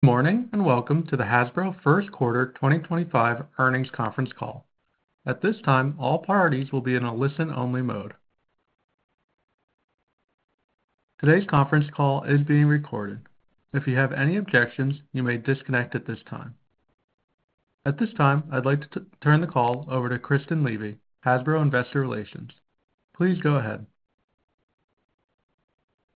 Good morning and welcome to the Hasbro First Quarter 2025 Earnings Conference Call. At this time, all parties will be in a listen-only mode. Today's conference call is being recorded. If you have any objections, you may disconnect at this time. At this time, I'd like to turn the call over to Kristen Levy, Hasbro Investor Relations. Please go ahead.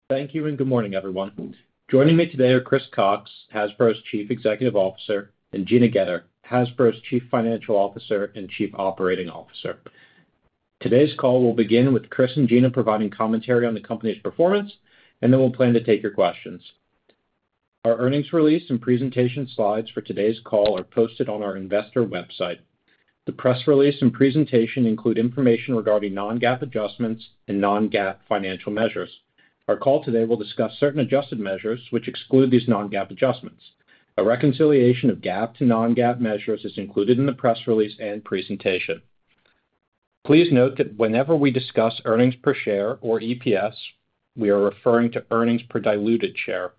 Thank you and good morning, everyone. Joining me today are Chris Cocks, Hasbro's Chief Executive Officer, and Gina Goetter, Hasbro's Chief Financial Officer and Chief Operating Officer. Today's call will begin with Chris and Gina providing commentary on the company's performance, and then we'll plan to take your questions. Our earnings release and presentation slides for today's call are posted on our investor website. The press release and presentation include information regarding non-GAAP adjustments and non-GAAP financial measures. Our call today will discuss certain adjusted measures which exclude these non-GAAP adjustments. A reconciliation of GAAP to non-GAAP measures is included in the press release and presentation. Please note that whenever we discuss earnings per share or EPS, we are referring to earnings per diluted share.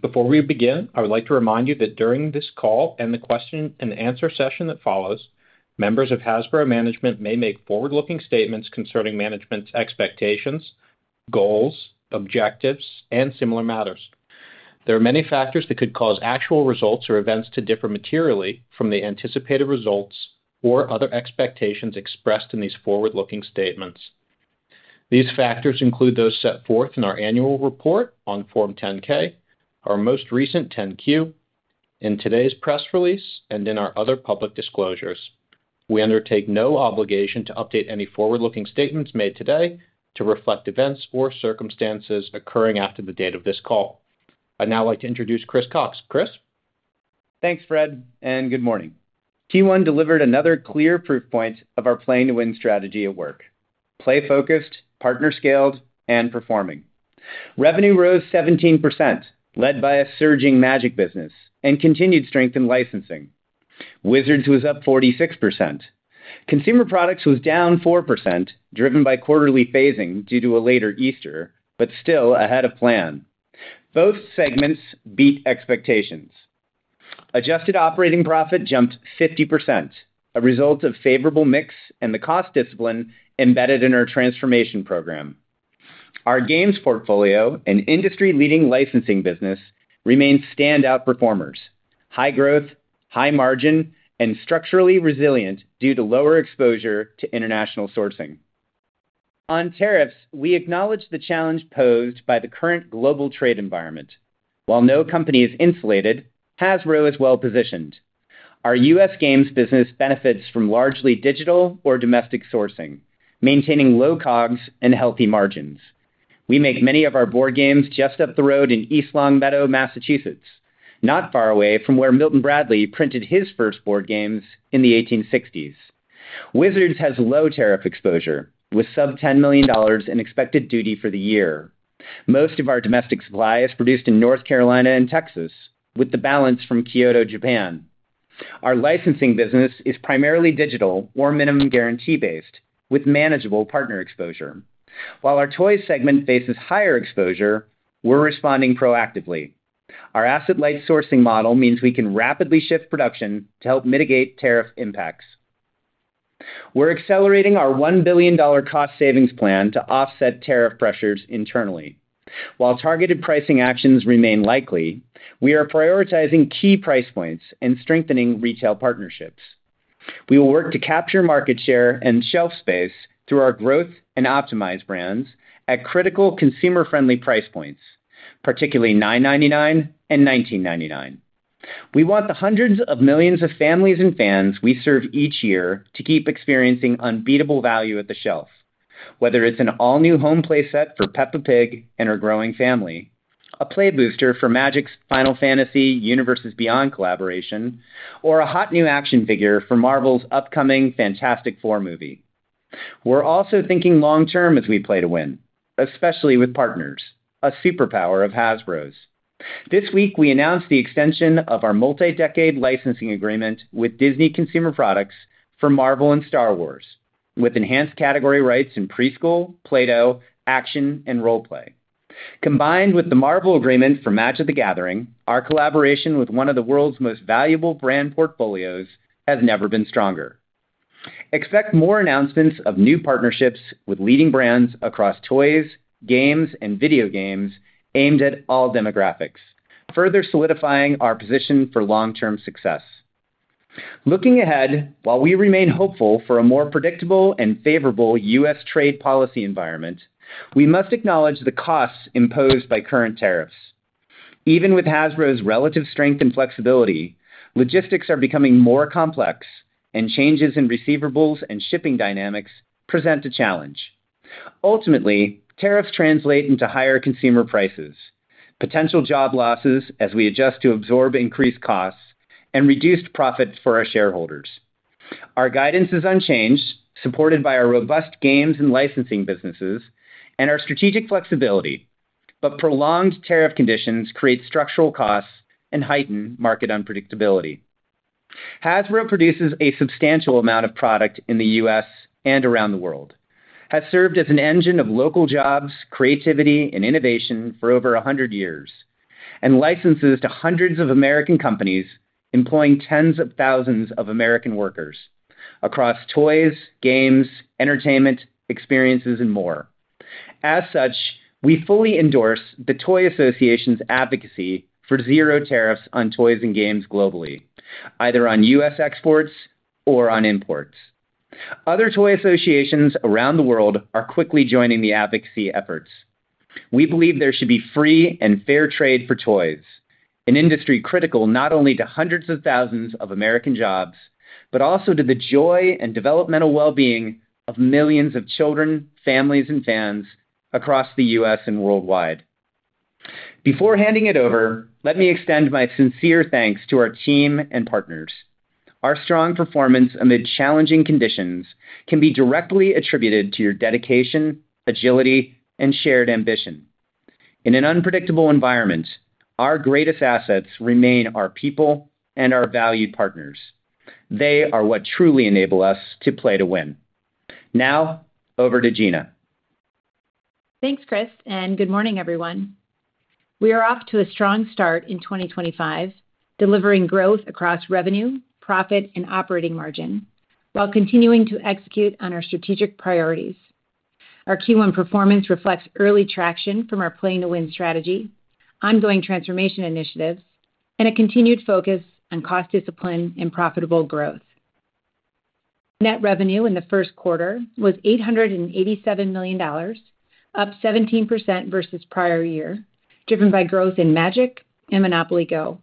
Before we begin, I would like to remind you that during this call and the question-and-answer session that follows, members of Hasbro management may make forward-looking statements concerning management's expectations, goals, objectives, and similar matters. There are many factors that could cause actual results or events to differ materially from the anticipated results or other expectations expressed in these forward-looking statements. These factors include those set forth in our annual report on Form 10-K, our most recent 10-Q, in today's press release, and in our other public disclosures. We undertake no obligation to update any forward-looking statements made today to reflect events or circumstances occurring after the date of this call. I'd now like to introduce Chris Cocks. Chris. Thanks, Fred, and good morning. Q1 delivered another clear proof point of our playing to win strategy at work: play-focused, partner-scaled, and performing. Revenue rose 17%, led by a surging Magic business, and continued strength in licensing. Wizards was up 46%. Consumer products was down 4%, driven by quarterly phasing due to a later Easter, but still ahead of plan. Both segments beat expectations. Adjusted operating profit jumped 50%, a result of favorable mix and the cost discipline embedded in our transformation program. Our games portfolio, an industry-leading licensing business, remains standout performers: high growth, high margin, and structurally resilient due to lower exposure to international sourcing. On tariffs, we acknowledge the challenge posed by the current global trade environment. While no company is insulated, Hasbro is well-positioned. Our U.S. games business benefits from largely digital or domestic sourcing, maintaining low COGS and healthy margins. We make many of our board games just up the road in East Longmeadow, Massachusetts, not far away from where Milton Bradley printed his first board games in the 1860s. Wizards has low tariff exposure, with sub-$10 million in expected duty for the year. Most of our domestic supply is produced in North Carolina and Texas, with the balance from Kyoto, Japan. Our licensing business is primarily digital or minimum guarantee-based, with manageable partner exposure. While our toys segment faces higher exposure, we're responding proactively. Our asset-light sourcing model means we can rapidly shift production to help mitigate tariff impacts. We're accelerating our $1 billion cost savings plan to offset tariff pressures internally. While targeted pricing actions remain likely, we are prioritizing key price points and strengthening retail partnerships. We will work to capture market share and shelf space through our growth and optimized brands at critical consumer-friendly price points, particularly $9.99 and $19.99. We want the hundreds of millions of families and fans we serve each year to keep experiencing unbeatable value at the shelf, whether it's an all-new home play set for Peppa Pig and her growing family, a play booster for Magic's Final Fantasy Universes Beyond collaboration, or a hot new action figure for Marvel's upcoming Fantastic Four movie. We are also thinking long-term as we play to win, especially with partners, a superpower of Hasbro's. This week, we announced the extension of our multi-decade licensing agreement with Disney Consumer Products for Marvel and Star Wars with enhanced category rights in preschool, Play-Doh, action, and role-play. Combined with the Marvel agreement for Magic: The Gathering, our collaboration with one of the world's most valuable brand portfolios has never been stronger. Expect more announcements of new partnerships with leading brands across toys, games, and video games aimed at all demographics, further solidifying our position for long-term success. Looking ahead, while we remain hopeful for a more predictable and favorable U.S. trade policy environment, we must acknowledge the costs imposed by current tariffs. Even with Hasbro's relative strength and flexibility, logistics are becoming more complex, and changes in receivables and shipping dynamics present a challenge. Ultimately, tariffs translate into higher consumer prices, potential job losses as we adjust to absorb increased costs, and reduced profit for our shareholders. Our guidance is unchanged, supported by our robust games and licensing businesses and our strategic flexibility, but prolonged tariff conditions create structural costs and heighten market unpredictability. Hasbro produces a substantial amount of product in the U.S. and around the world, has served as an engine of local jobs, creativity, and innovation for over 100 years, and licenses to hundreds of American companies employing tens of thousands of American workers across toys, games, entertainment, experiences, and more. As such, we fully endorse the Toy Association's advocacy for zero tariffs on toys and games globally, either on U.S. exports or on imports. Other toy associations around the world are quickly joining the advocacy efforts. We believe there should be free and fair trade for toys, an industry critical not only to hundreds of thousands of American jobs, but also to the joy and developmental well-being of millions of children, families, and fans across the U.S. and worldwide. Before handing it over, let me extend my sincere thanks to our team and partners. Our strong performance amid challenging conditions can be directly attributed to your dedication, agility, and shared ambition. In an unpredictable environment, our greatest assets remain our people and our valued partners. They are what truly enable us to play to win. Now, over to Gina. Thanks, Chris, and good morning, everyone. We are off to a strong start in 2025, delivering growth across revenue, profit, and operating margin while continuing to execute on our strategic priorities. Our Q1 performance reflects early traction from our playing to win strategy, ongoing transformation initiatives, and a continued focus on cost discipline and profitable growth. Net revenue in the first quarter was $887 million, up 17% versus prior year, driven by growth in Magic and Monopoly GO!.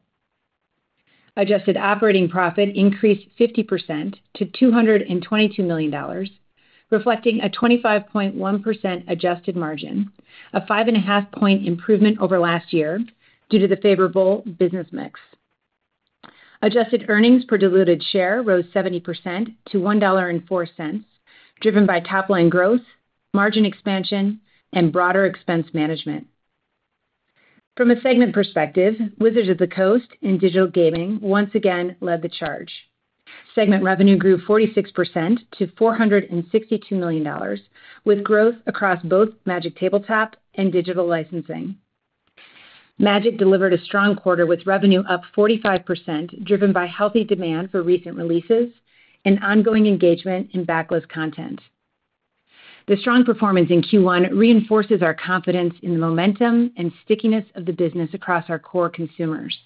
Adjusted operating profit increased 50% to $222 million, reflecting a 25.1% adjusted margin, a five-and-a-half-point improvement over last year due to the favorable business mix. Adjusted earnings per diluted share rose 70% to $1.04, driven by top-line growth, margin expansion, and broader expense management. From a segment perspective, Wizards of the Coast and Digital Gaming once again led the charge. Segment revenue grew 46% to $462 million, with growth across both Magic tabletop and digital licensing. Magic delivered a strong quarter with revenue up 45%, driven by healthy demand for recent releases and ongoing engagement in backlist content. The strong performance in Q1 reinforces our confidence in the momentum and stickiness of the business across our core consumers.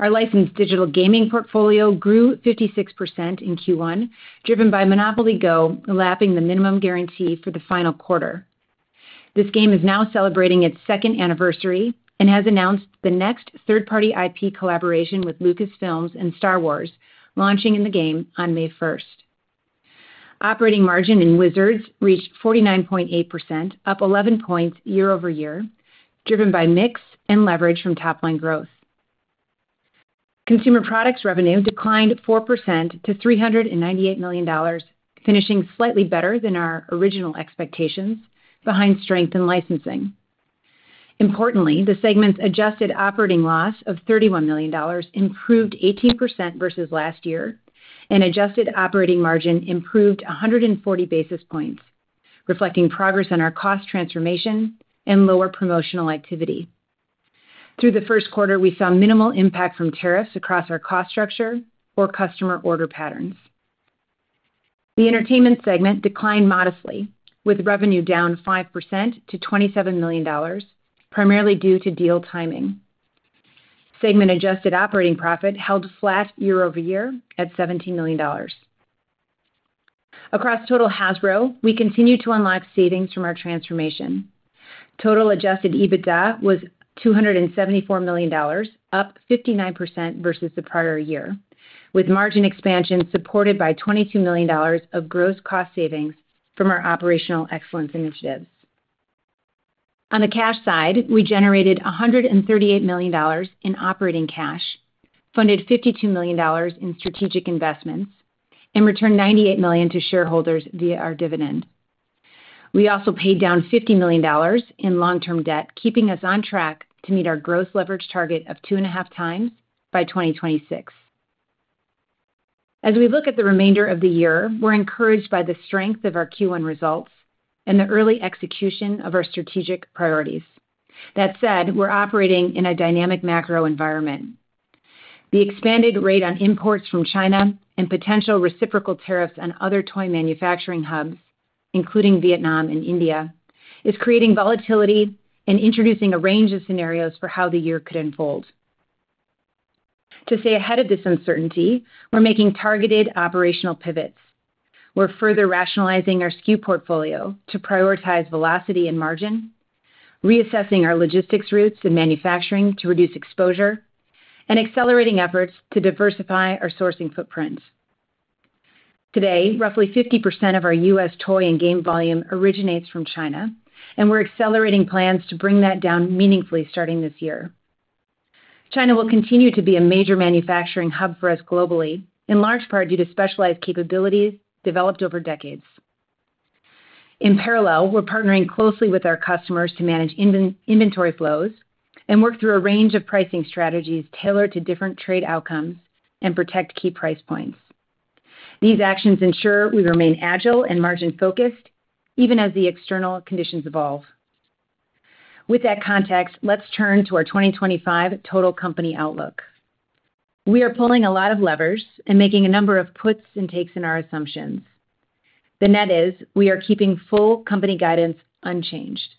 Our licensed digital gaming portfolio grew 56% in Q1, driven by Monopoly GO! lapping the minimum guarantee for the final quarter. This game is now celebrating its second anniversary and has announced the next third-party IP collaboration with Lucasfilm and Star Wars, launching in the game on May 1. Operating margin in Wizards reached 49.8%, up 11 percentage points year-over-year, driven by mix and leverage from top-line growth. Consumer products revenue declined 4% to $398 million, finishing slightly better than our original expectations, behind strength in licensing. Importantly, the segment's adjusted operating loss of $31 million improved 18% versus last year, and adjusted operating margin improved 140 basis points, reflecting progress on our cost transformation and lower promotional activity. Through the first quarter, we saw minimal impact from tariffs across our cost structure or customer order patterns. The entertainment segment declined modestly, with revenue down 5% to $27 million, primarily due to deal timing. Segment-adjusted operating profit held flat year-over-year at $17 million. Across total Hasbro, we continue to unlock savings from our transformation. Total adjusted EBITDA was $274 million, up 59% versus the prior year, with margin expansion supported by $22 million of gross cost savings from our operational excellence initiatives. On the cash side, we generated $138 million in operating cash, funded $52 million in strategic investments, and returned $98 million to shareholders via our dividend. We also paid down $50 million in long-term debt, keeping us on track to meet our gross leverage target of two-and-a-half times by 2026. As we look at the remainder of the year, we're encouraged by the strength of our Q1 results and the early execution of our strategic priorities. That said, we're operating in a dynamic macro environment. The expanded rate on imports from China and potential reciprocal tariffs on other toy manufacturing hubs, including Vietnam and India, is creating volatility and introducing a range of scenarios for how the year could unfold. To stay ahead of this uncertainty, we're making targeted operational pivots. We're further rationalizing our SKU portfolio to prioritize velocity and margin, reassessing our logistics routes and manufacturing to reduce exposure, and accelerating efforts to diversify our sourcing footprint. Today, roughly 50% of our U.S. Toy and game volume originates from China, and we're accelerating plans to bring that down meaningfully starting this year. China will continue to be a major manufacturing hub for us globally, in large part due to specialized capabilities developed over decades. In parallel, we're partnering closely with our customers to manage inventory flows and work through a range of pricing strategies tailored to different trade outcomes and protect key price points. These actions ensure we remain agile and margin-focused, even as the external conditions evolve. With that context, let's turn to our 2025 total company outlook. We are pulling a lot of levers and making a number of puts and takes in our assumptions. The net is we are keeping full company guidance unchanged.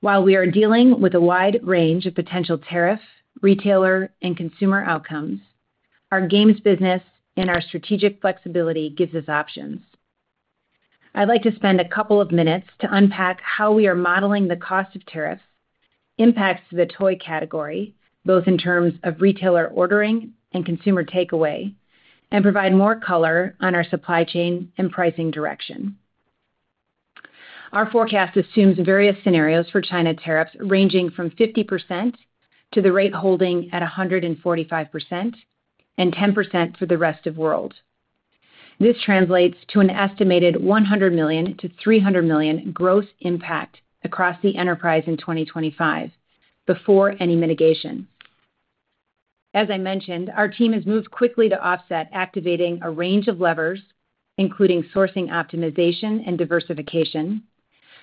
While we are dealing with a wide range of potential tariff, retailer, and consumer outcomes, our games business and our strategic flexibility gives us options. I'd like to spend a couple of minutes to unpack how we are modeling the cost of tariffs impacts the toy category, both in terms of retailer ordering and consumer takeaway, and provide more color on our supply chain and pricing direction. Our forecast assumes various scenarios for China tariffs ranging from 5% to the rate holding at 14.5% and 10% for the rest of the world. This translates to an estimated $100 million to $300 million gross impact across the enterprise in 2025 before any mitigation. As I mentioned, our team has moved quickly to offset, activating a range of levers, including sourcing optimization and diversification,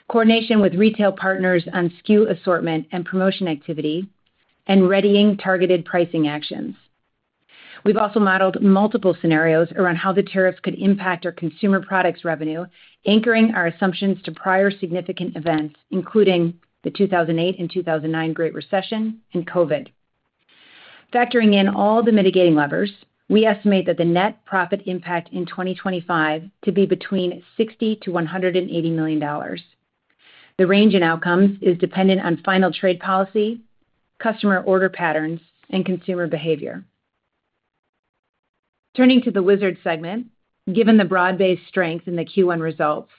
coordination with retail partners on SKU assortment and promotion activity, and readying targeted pricing actions. We've also modeled multiple scenarios around how the tariffs could impact our consumer products revenue, anchoring our assumptions to prior significant events, including the 2008 and 2009 Great Recession and COVID. Factoring in all the mitigating levers, we estimate that the net profit impact in 2025 to be between $60 million and $180 million. The range in outcomes is dependent on final trade policy, customer order patterns, and consumer behavior. Turning to the Wizards segment, given the broad-based strength in the Q1 results,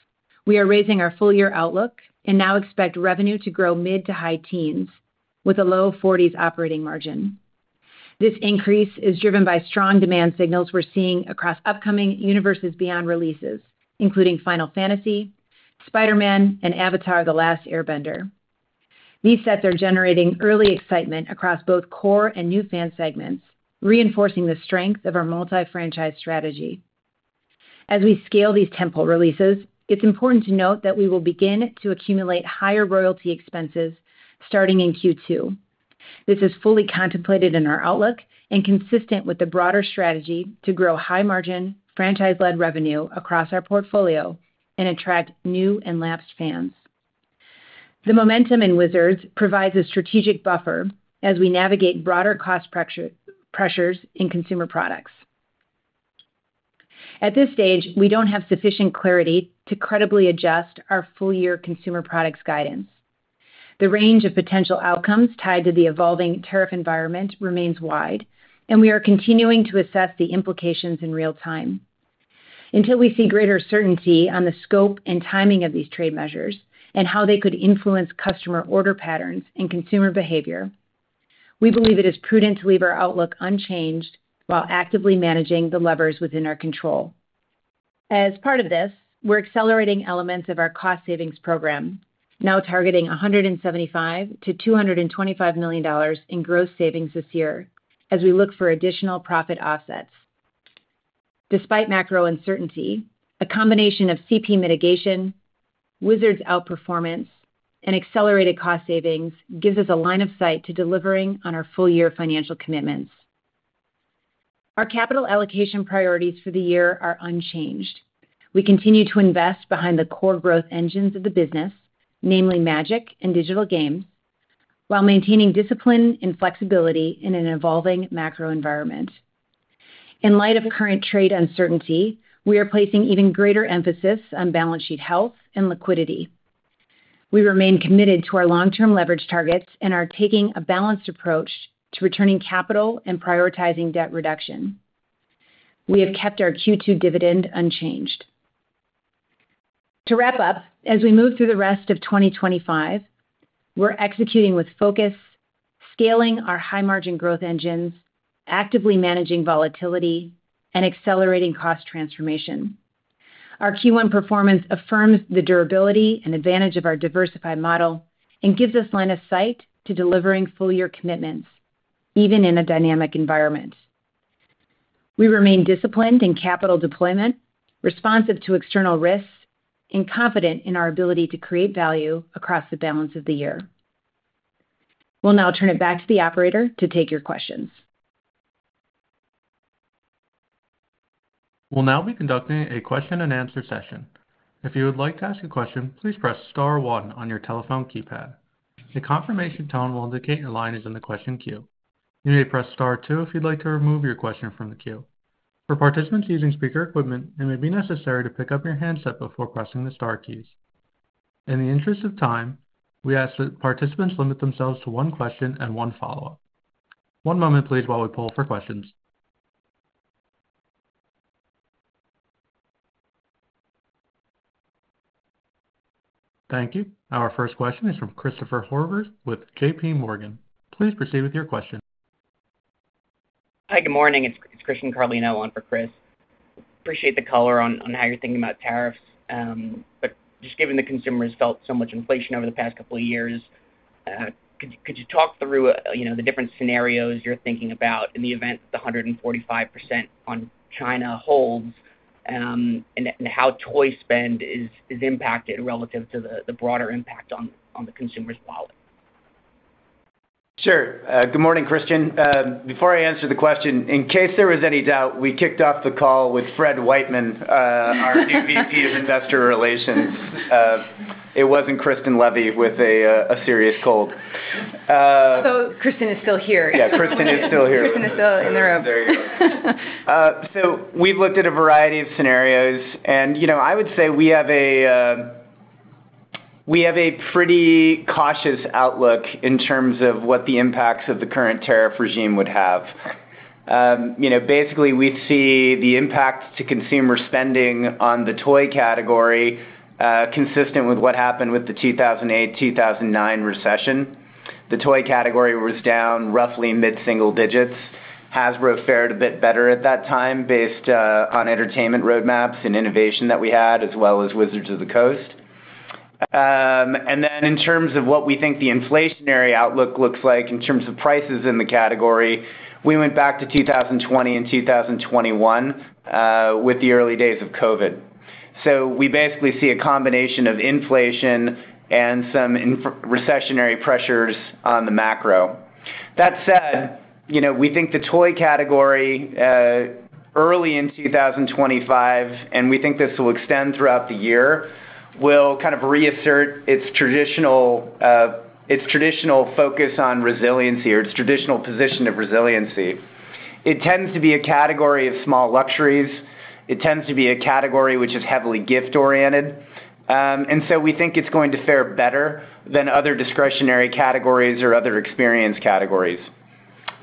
we are raising our full-year outlook and now expect revenue to grow mid to high teens with a low 40s operating margin. This increase is driven by strong demand signals we're seeing across upcoming Universes Beyond releases, including Final Fantasy, Spider-Man, and Avatar: The Last Airbender. These sets are generating early excitement across both core and new fan segments, reinforcing the strength of our multi-franchise strategy. As we scale these temple releases, it's important to note that we will begin to accumulate higher royalty expenses starting in Q2. This is fully contemplated in our outlook and consistent with the broader strategy to grow high-margin franchise-led revenue across our portfolio and attract new and lapsed fans. The momentum in Wizards provides a strategic buffer as we navigate broader cost pressures in consumer products. At this stage, we don't have sufficient clarity to credibly adjust our full-year consumer products guidance. The range of potential outcomes tied to the evolving tariff environment remains wide, and we are continuing to assess the implications in real time. Until we see greater certainty on the scope and timing of these trade measures and how they could influence customer order patterns and consumer behavior, we believe it is prudent to leave our outlook unchanged while actively managing the levers within our control. As part of this, we're accelerating elements of our cost savings program, now targeting $175 to $225 million in gross savings this year as we look for additional profit offsets. Despite macro uncertainty, a combination of CP mitigation, Wizards outperformance, and accelerated cost savings gives us a line of sight to delivering on our full-year financial commitments. Our capital allocation priorities for the year are unchanged. We continue to invest behind the core growth engines of the business, namely Magic and digital games, while maintaining discipline and flexibility in an evolving macro environment. In light of current trade uncertainty, we are placing even greater emphasis on balance sheet health and liquidity. We remain committed to our long-term leverage targets and are taking a balanced approach to returning capital and prioritizing debt reduction. We have kept our Q2 dividend unchanged. To wrap up, as we move through the rest of 2025, we're executing with focus, scaling our high-margin growth engines, actively managing volatility, and accelerating cost transformation. Our Q1 performance affirms the durability and advantage of our diversified model and gives us line of sight to delivering full-year commitments, even in a dynamic environment. We remain disciplined in capital deployment, responsive to external risks, and confident in our ability to create value across the balance of the year. We'll now turn it back to the operator to take your questions. We'll now be conducting a question-and-answer session. If you would like to ask a question, please press Star 1 on your telephone keypad. The confirmation tone will indicate your line is in the question queue. You may press Star 2 if you'd like to remove your question from the queue. For participants using speaker equipment, it may be necessary to pick up your handset before pressing the Star keys. In the interest of time, we ask that participants limit themselves to one question and one follow-up. One moment, please, while we pull for questions. Thank you. Our first question is from Christopher Horvers with JPMorgan Chase & Company. Please proceed with your question. Hi, good morning. It's Christian Carlino on for Chris. Appreciate the color on how you're thinking about tariffs, but just given the consumer has felt so much inflation over the past couple of years, could you talk through the different scenarios you're thinking about in the event that the 145% on China holds and how toy spend is impacted relative to the broader impact on the consumer's wallet? Sure. Good morning, Christian. Before I answer the question, in case there was any doubt, we kicked off the call with Fred Wightman, our VP of Investor Relations. It was not Kristen Levy with a serious cold. Kristen is still here. Yeah, Kristen is still here. Kristen is still in the room. There you go. We have looked at a variety of scenarios, and I would say we have a pretty cautious outlook in terms of what the impacts of the current tariff regime would have. Basically, we see the impact to consumer spending on the toy category consistent with what happened with the 2008, 2009 recession. The toy category was down roughly mid-single digits. Hasbro fared a bit better at that time based on entertainment roadmaps and innovation that we had, as well as Wizards of the Coast. In terms of what we think the inflationary outlook looks like in terms of prices in the category, we went back to 2020 and 2021 with the early days of COVID. We basically see a combination of inflation and some recessionary pressures on the macro. That said, we think the toy category early in 2025, and we think this will extend throughout the year, will kind of reassert its traditional focus on resiliency or its traditional position of resiliency. It tends to be a category of small luxuries. It tends to be a category which is heavily gift-oriented. We think it's going to fare better than other discretionary categories or other experience categories.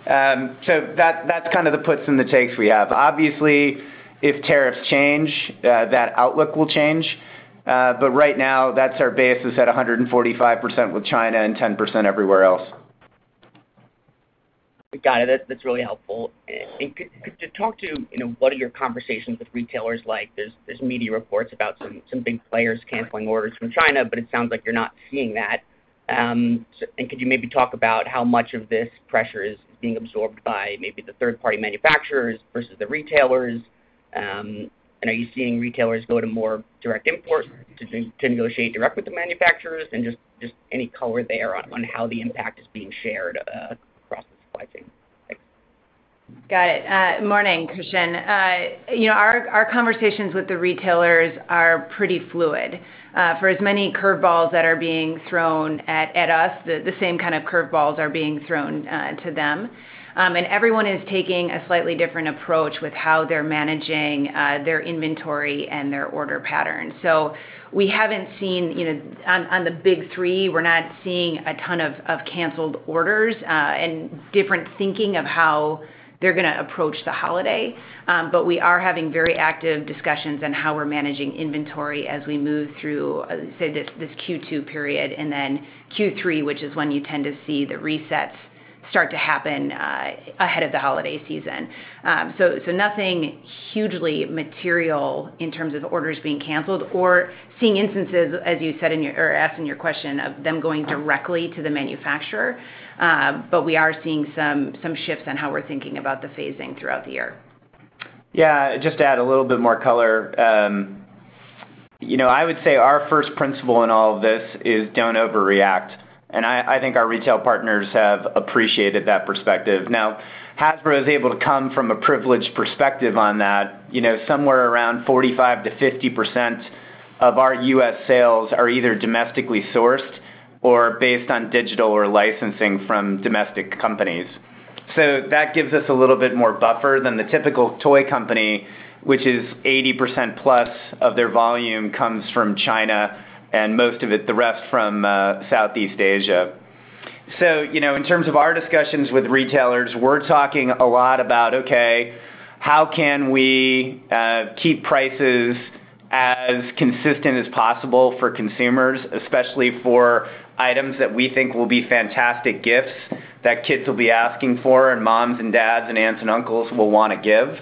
That's kind of the puts and the takes we have. Obviously, if tariffs change, that outlook will change. Right now, that's our basis at 145% with China and 10% everywhere else. Got it. That's really helpful. Could you talk to what are your conversations with retailers like? There are media reports about some big players canceling orders from China, but it sounds like you're not seeing that. Could you maybe talk about how much of this pressure is being absorbed by maybe the third-party manufacturers versus the retailers? Are you seeing retailers go to more direct imports to negotiate direct with the manufacturers? Just any color there on how the impact is being shared across the supply chain? Got it. Morning, Christian. Our conversations with the retailers are pretty fluid. For as many curveballs that are being thrown at us, the same kind of curveballs are being thrown to them. Everyone is taking a slightly different approach with how they're managing their inventory and their order patterns. We haven't seen on the big three, we're not seeing a ton of canceled orders and different thinking of how they're going to approach the holiday. We are having very active discussions on how we're managing inventory as we move through, say, this Q2 period and then Q3, which is when you tend to see the resets start to happen ahead of the holiday season. Nothing hugely material in terms of orders being canceled or seeing instances, as you said or asked in your question, of them going directly to the manufacturer. We are seeing some shifts in how we're thinking about the phasing throughout the year. Yeah. Just to add a little bit more color, I would say our first principle in all of this is do not overreact. I think our retail partners have appreciated that perspective. Now, Hasbro is able to come from a privileged perspective on that. Somewhere around 45%-50% of our U.S. sales are either domestically sourced or based on digital or licensing from domestic companies. That gives us a little bit more buffer than the typical toy company, which is 80% plus of their volume comes from China and most of the rest from Southeast Asia. In terms of our discussions with retailers, we're talking a lot about, okay, how can we keep prices as consistent as possible for consumers, especially for items that we think will be fantastic gifts that kids will be asking for and moms and dads and aunts and uncles will want to give.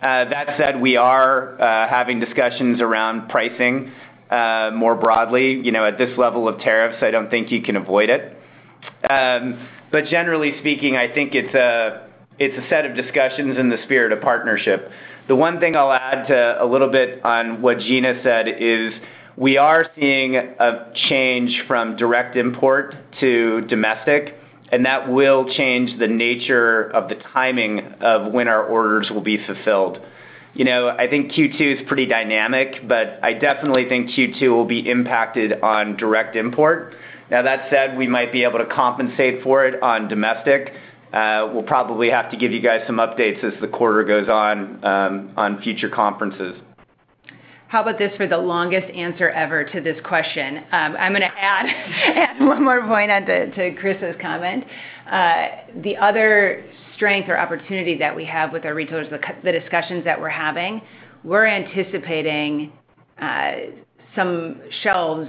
That said, we are having discussions around pricing more broadly. At this level of tariffs, I don't think you can avoid it. Generally speaking, I think it's a set of discussions in the spirit of partnership. The one thing I'll add to a little bit on what Gina said is we are seeing a change from direct import to domestic, and that will change the nature of the timing of when our orders will be fulfilled. I think Q2 is pretty dynamic, but I definitely think Q2 will be impacted on direct import. Now, that said, we might be able to compensate for it on domestic. We'll probably have to give you guys some updates as the quarter goes on on future conferences. How about this for the longest answer ever to this question? I'm going to add one more point to Chris's comment. The other strength or opportunity that we have with our retailers, the discussions that we're having, we're anticipating some shelf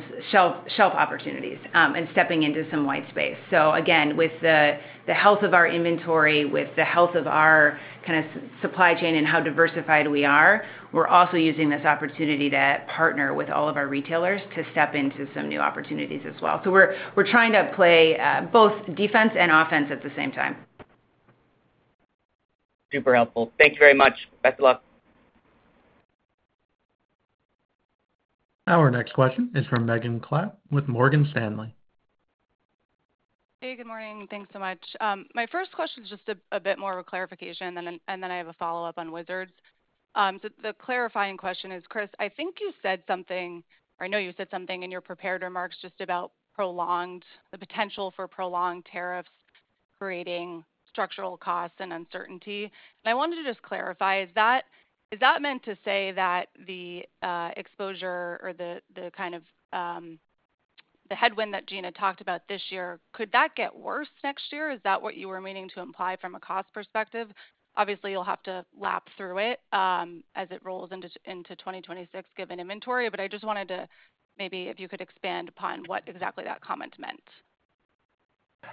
opportunities and stepping into some white space. Again, with the health of our inventory, with the health of our kind of supply chain and how diversified we are, we're also using this opportunity to partner with all of our retailers to step into some new opportunities as well. We're trying to play both defense and offense at the same time. Super helpful. Thank you very much. Best of luck. Our next question is from Megan Clapp with Morgan Stanley. Hey, good morning. Thanks so much. My first question is just a bit more of a clarification, and then I have a follow-up on Wizards. The clarifying question is, Chris, I think you said something, or I know you said something in your prepared remarks just about the potential for prolonged tariffs creating structural costs and uncertainty. I wanted to just clarify, is that meant to say that the exposure or the kind of headwind that Gina talked about this year, could that get worse next year? Is that what you were meaning to imply from a cost perspective? Obviously, you'll have to lap through it as it rolls into 2026 given inventory, but I just wanted to maybe if you could expand upon what exactly that comment meant.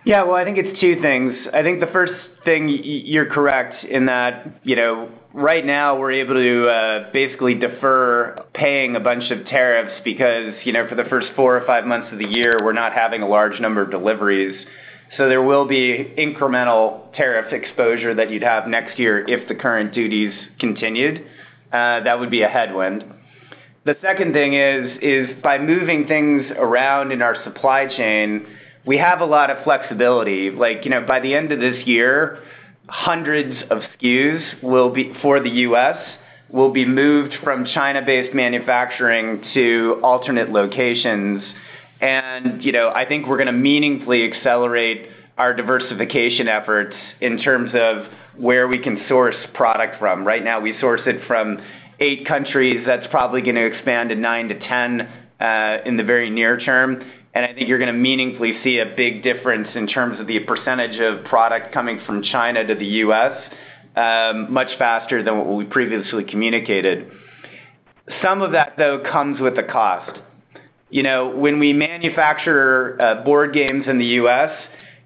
Yeah. I think it's two things. I think the first thing, you're correct in that right now we're able to basically defer paying a bunch of tariffs because for the first four or five months of the year, we're not having a large number of deliveries. There will be incremental tariff exposure that you'd have next year if the current duties continued. That would be a headwind. The second thing is by moving things around in our supply chain, we have a lot of flexibility. By the end of this year, hundreds of SKUs for the U.S. will be moved from China-based manufacturing to alternate locations. I think we're going to meaningfully accelerate our diversification efforts in terms of where we can source product from. Right now, we source it from eight countries. That's probably going to expand to nine to ten in the very near term. I think you're going to meaningfully see a big difference in terms of the percentage of product coming from China to the U.S. much faster than what we previously communicated. Some of that, though, comes with a cost. When we manufacture board games in the U.S.,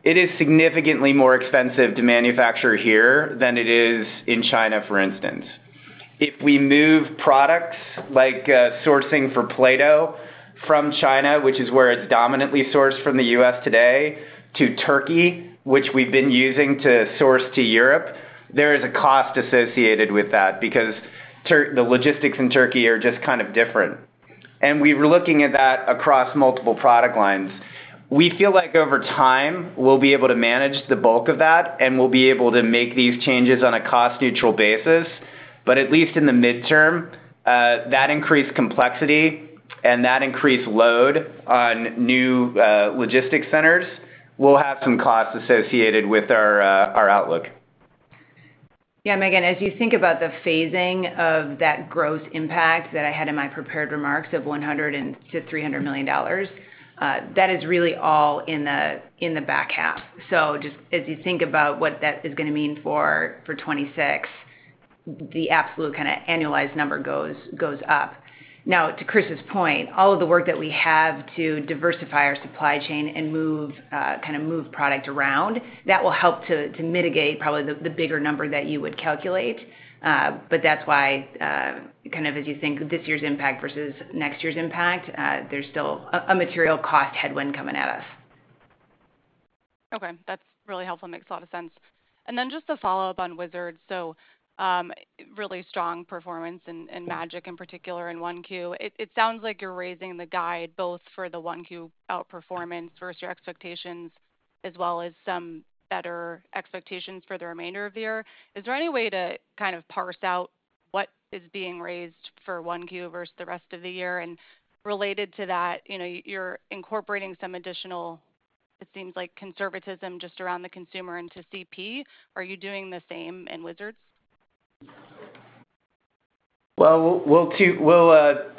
it is significantly more expensive to manufacture here than it is in China, for instance. If we move products like sourcing for Play-Doh from China, which is where it's dominantly sourced from the U.S. today, to Turkey, which we've been using to source to Europe, there is a cost associated with that because the logistics in Turkey are just kind of different. We were looking at that across multiple product lines. We feel like over time, we'll be able to manage the bulk of that, and we'll be able to make these changes on a cost-neutral basis. At least in the midterm, that increased complexity and that increased load on new logistics centers will have some costs associated with our outlook. Yeah, Megan, as you think about the phasing of that gross impact that I had in my prepared remarks of $100 million-$300 million, that is really all in the back half. Just as you think about what that is going to mean for 2026, the absolute kind of annualized number goes up. Now, to Chris's point, all of the work that we have to diversify our supply chain and kind of move product around, that will help to mitigate probably the bigger number that you would calculate. That is why kind of as you think this year's impact versus next year's impact, there is still a material cost headwind coming at us. Okay. That's really helpful. Makes a lot of sense. Just to follow up on Wizards, really strong performance and Magic in particular in Q1. It sounds like you're raising the guide both for the Q1 outperformance versus your expectations, as well as some better expectations for the remainder of the year. Is there any way to kind of parse out what is being raised for Q1 versus the rest of the year? Related to that, you're incorporating some additional, it seems like, conservatism just around the consumer and to CP. Are you doing the same in Wizards? We'll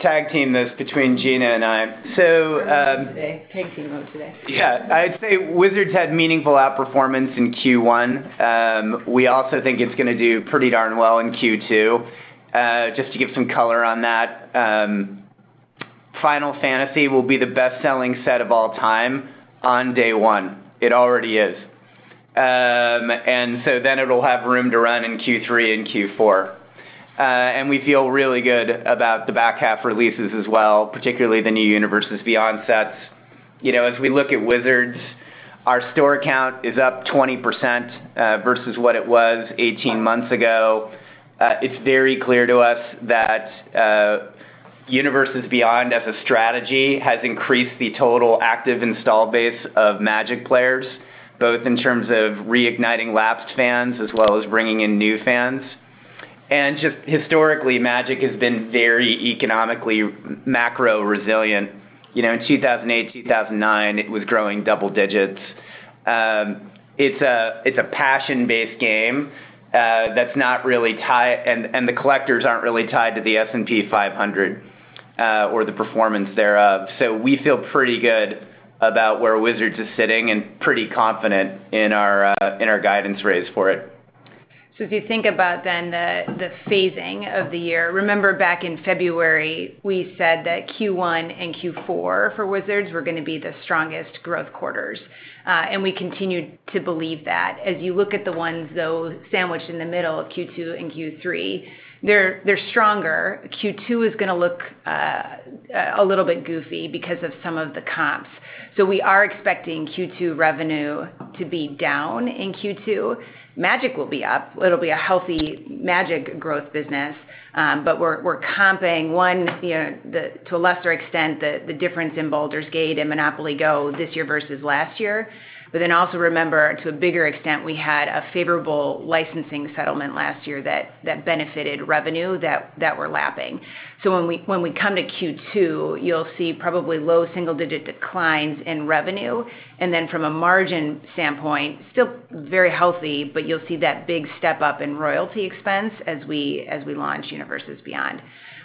tag team this between Gina and I. Tag team mode today. Yeah. I'd say Wizards had meaningful outperformance in Q1. We also think it's going to do pretty darn well in Q2. Just to give some color on that, Final Fantasy will be the best-selling set of all time on day one. It already is. It will have room to run in Q3 and Q4. We feel really good about the back half releases as well, particularly the new Universes Beyond sets. As we look at Wizards, our store count is up 20% versus what it was 18 months ago. It's very clear to us that Universes Beyond, as a strategy, has increased the total active install base of Magic players, both in terms of reigniting lapsed fans as well as bringing in new fans. Just historically, Magic has been very economically macro resilient. In 2008, 2009, it was growing double digits. It's a passion-based game that's not really tied, and the collectors aren't really tied to the S&P 500 or the performance thereof. We feel pretty good about where Wizards is sitting and pretty confident in our guidance raise for it. As you think about then the phasing of the year, remember back in February, we said that Q1 and Q4 for Wizards were going to be the strongest growth quarters. We continue to believe that. As you look at the ones, though, sandwiched in the middle of Q2 and Q3, they are stronger. Q2 is going to look a little bit goofy because of some of the comps. We are expecting Q2 revenue to be down in Q2. Magic will be up. It will be a healthy Magic growth business. We are comping, one, to a lesser extent, the difference in Baldur's Gate and Monopoly Go this year versus last year. Then also remember, to a bigger extent, we had a favorable licensing settlement last year that benefited revenue that we are lapping. When we come to Q2, you will see probably low single-digit declines in revenue. From a margin standpoint, still very healthy, but you'll see that big step up in royalty expense as we launch Universes Beyond.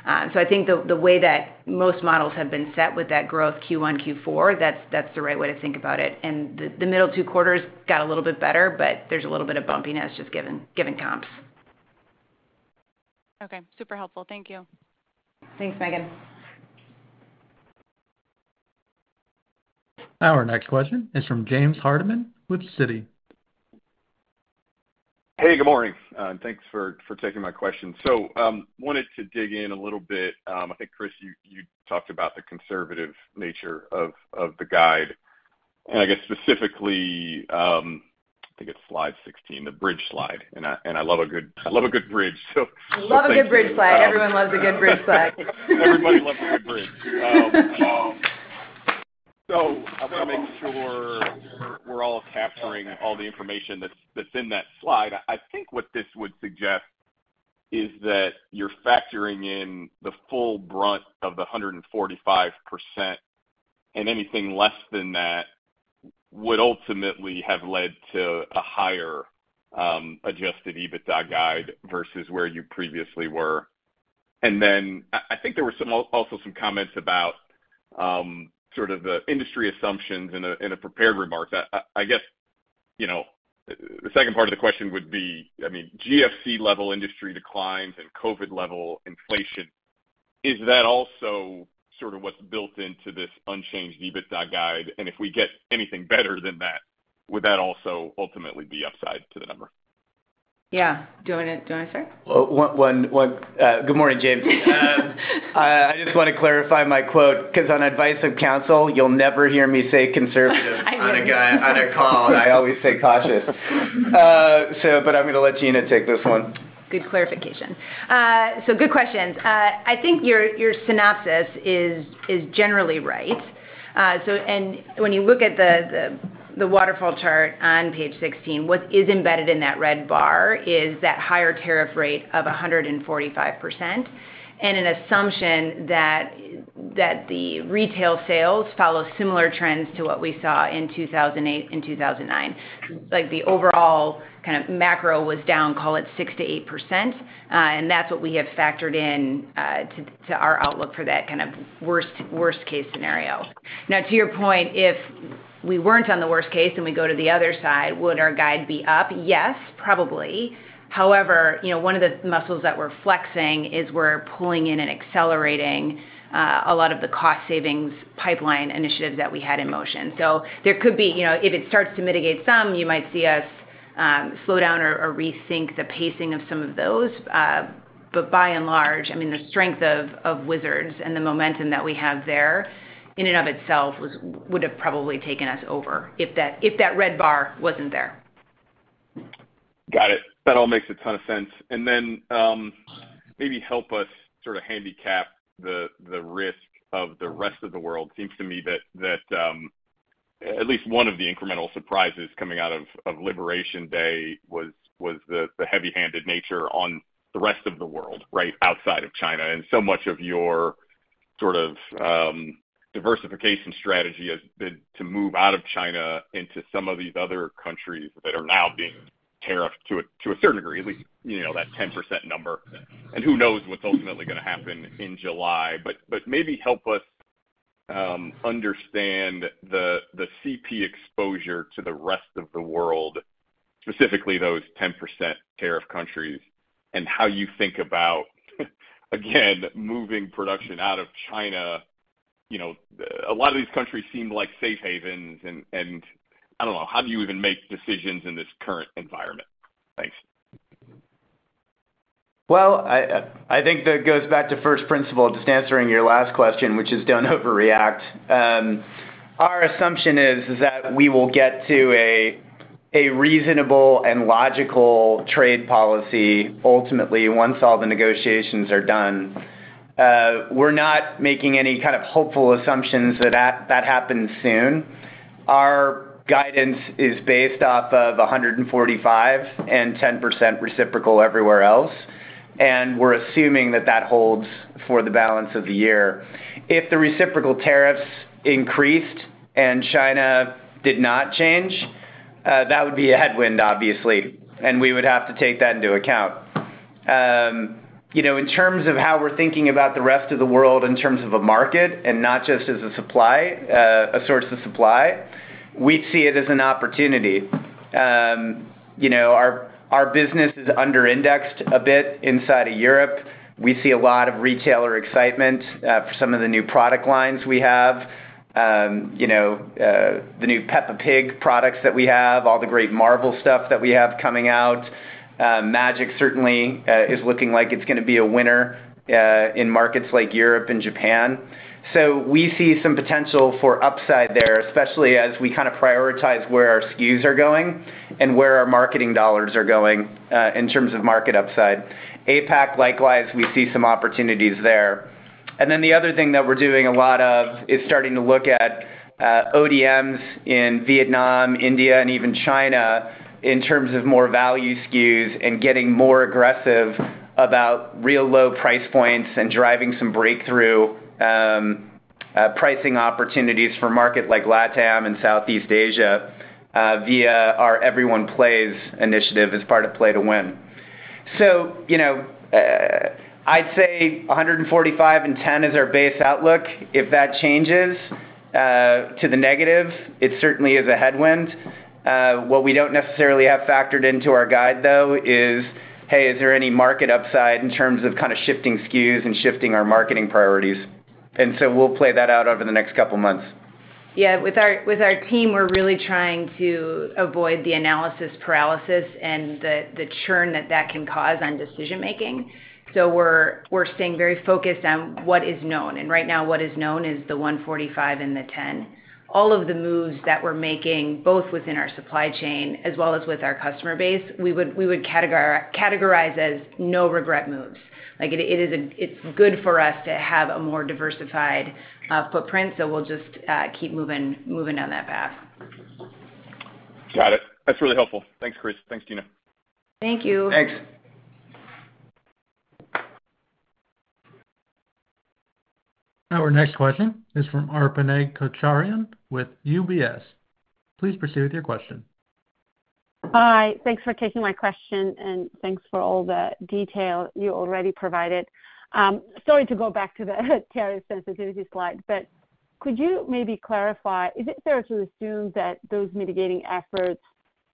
I think the way that most models have been set with that growth Q1, Q4, that's the right way to think about it. The middle two quarters got a little bit better, but there's a little bit of bumpiness just given comps. Okay. Super helpful. Thank you. Thanks, Megan. Our next question is from James Hardiman with Citi. Hey, good morning. Thanks for taking my question. I wanted to dig in a little bit. I think, Chris, you talked about the conservative nature of the guide. I guess specifically, I think it's slide 16, the bridge slide. I love a good bridge, so. Love a good bridge slide. Everyone loves a good bridge slide. Everybody loves a good bridge. I want to make sure we're all capturing all the information that's in that slide. I think what this would suggest is that you're factoring in the full brunt of the 145%, and anything less than that would ultimately have led to a higher adjusted EBITDA guide versus where you previously were. I think there were also some comments about sort of the industry assumptions in a prepared remark. I guess the second part of the question would be, I mean, GFC-level industry declines and COVID-level inflation. Is that also sort of what's built into this unchanged EBITDA guide? If we get anything better than that, would that also ultimately be upside to the number? Yeah. Do you want to start? Good morning, James. I just want to clarify my quote because on advice of counsel, you'll never hear me say conservative on a call. I always say cautious. I am going to let Gina take this one. Good clarification. Good questions. I think your synopsis is generally right. When you look at the waterfall chart on page 16, what is embedded in that red bar is that higher tariff rate of 145% and an assumption that the retail sales follow similar trends to what we saw in 2008 and 2009. The overall kind of macro was down, call it 6-8%. That is what we have factored into our outlook for that kind of worst-case scenario. Now, to your point, if we were not on the worst case and we go to the other side, would our guide be up? Yes, probably. However, one of the muscles that we are flexing is we are pulling in and accelerating a lot of the cost-savings pipeline initiatives that we had in motion. If it starts to mitigate some, you might see us slow down or rethink the pacing of some of those. By and large, I mean, the strength of Wizards and the momentum that we have there in and of itself would have probably taken us over if that red bar was not there. Got it. That all makes a ton of sense. Maybe help us sort of handicap the risk of the rest of the world. It seems to me that at least one of the incremental surprises coming out of Liberation Day was the heavy-handed nature on the rest of the world right outside of China. So much of your sort of diversification strategy has been to move out of China into some of these other countries that are now being tariffed to a certain degree, at least that 10% number. Who knows what's ultimately going to happen in July. Maybe help us understand the CP exposure to the rest of the world, specifically those 10% tariff countries, and how you think about, again, moving production out of China. A lot of these countries seem like safe havens. I don't know. How do you even make decisions in this current environment? Thanks. I think that goes back to first principle, just answering your last question, which is don't overreact. Our assumption is that we will get to a reasonable and logical trade policy ultimately once all the negotiations are done. We're not making any kind of hopeful assumptions that that happens soon. Our guidance is based off of 145 and 10% reciprocal everywhere else. We're assuming that that holds for the balance of the year. If the reciprocal tariffs increased and China did not change, that would be a headwind, obviously. We would have to take that into account. In terms of how we're thinking about the rest of the world in terms of a market and not just as a source of supply, we see it as an opportunity. Our business is under-indexed a bit inside of Europe. We see a lot of retailer excitement for some of the new product lines we have, the new Peppa Pig products that we have, all the great Marvel stuff that we have coming out. Magic certainly is looking like it's going to be a winner in markets like Europe and Japan. We see some potential for upside there, especially as we kind of prioritize where our SKUs are going and where our marketing dollars are going in terms of market upside. APAC, likewise, we see some opportunities there. The other thing that we're doing a lot of is starting to look at ODMs in Vietnam, India, and even China in terms of more value SKUs and getting more aggressive about real low price points and driving some breakthrough pricing opportunities for markets like LATAM and Southeast Asia via our Everyone Plays initiative as part of Play to Win. I'd say 145 and 10 is our base outlook. If that changes to the negative, it certainly is a headwind. What we don't necessarily have factored into our guide, though, is, hey, is there any market upside in terms of kind of shifting SKUs and shifting our marketing priorities? We'll play that out over the next couple of months. Yeah. With our team, we're really trying to avoid the analysis paralysis and the churn that that can cause on decision-making. We're staying very focused on what is known. Right now, what is known is the 145 and the 10. All of the moves that we're making, both within our supply chain as well as with our customer base, we would categorize as no-regret moves. It's good for us to have a more diversified footprint. We'll just keep moving down that path. Got it. That's really helpful. Thanks, Chris. Thanks, Gina. Thank you. Thanks. Our next question is from Arpine Kocharyan with UBS. Please proceed with your question. Hi. Thanks for taking my question. Thanks for all the detail you already provided. Sorry to go back to the tariff sensitivity slide. Could you maybe clarify? Is it fair to assume that those mitigating efforts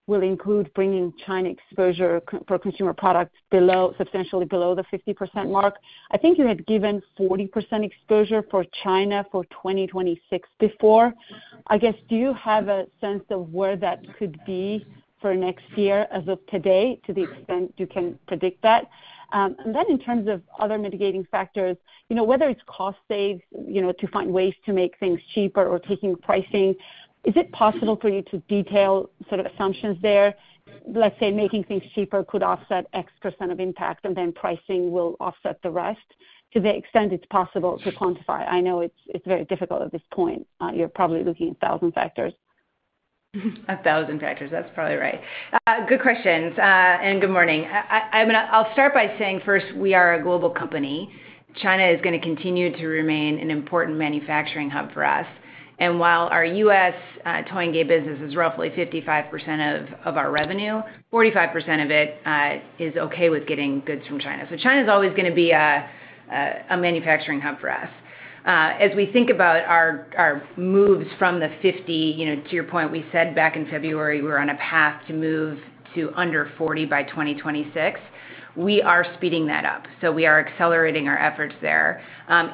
will include bringing China exposure for consumer products substantially below the 50% mark? I think you had given 40% exposure for China for 2026 before. I guess, do you have a sense of where that could be for next year as of today to the extent you can predict that? In terms of other mitigating factors, whether it's cost saves to find ways to make things cheaper or taking pricing, is it possible for you to detail sort of assumptions there? Let's say making things cheaper could offset X% of impact, and then pricing will offset the rest to the extent it's possible to quantify. I know it's very difficult at this point. You're probably looking at a thousand factors. A thousand factors. That's probably right. Good questions. Good morning. I'll start by saying first, we are a global company. China is going to continue to remain an important manufacturing hub for us. While our U.S. toy and game business is roughly 55% of our revenue, 45% of it is okay with getting goods from China. China is always going to be a manufacturing hub for us. As we think about our moves from the 50, to your point, we said back in February we were on a path to move to under 40 by 2026. We are speeding that up. We are accelerating our efforts there.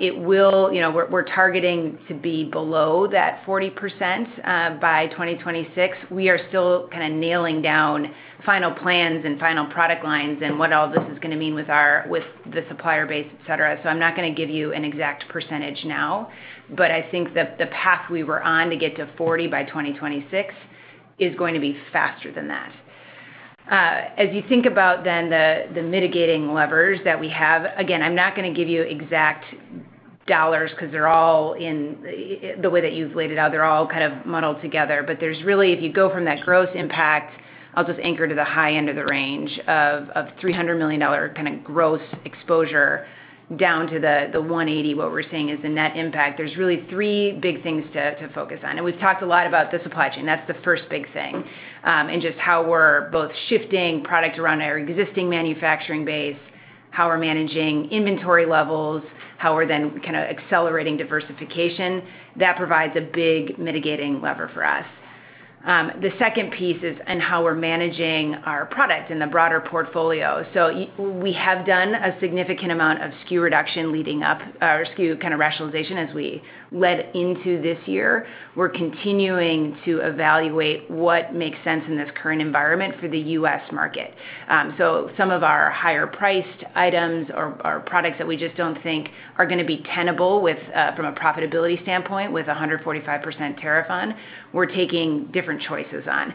We're targeting to be below that 40% by 2026. We are still kind of nailing down final plans and final product lines and what all this is going to mean with the supplier base, etc. I'm not going to give you an exact percentage now. I think the path we were on to get to 40 by 2026 is going to be faster than that. As you think about then the mitigating levers that we have, again, I'm not going to give you exact dollars because they're all in the way that you've laid it out, they're all kind of muddled together. There's really, if you go from that gross impact, I'll just anchor to the high end of the range of $300 million kind of gross exposure down to the 180, what we're seeing is the net impact. There's really three big things to focus on. We've talked a lot about the supply chain. That's the first big thing in just how we're both shifting product around our existing manufacturing base, how we're managing inventory levels, how we're then kind of accelerating diversification. That provides a big mitigating lever for us. The second piece is in how we're managing our product and the broader portfolio. We have done a significant amount of SKU reduction leading up our SKU kind of rationalization as we led into this year. We're continuing to evaluate what makes sense in this current environment for the U.S. market. Some of our higher-priced items or products that we just don't think are going to be tenable from a profitability standpoint with a 145% tariff on, we're taking different choices on.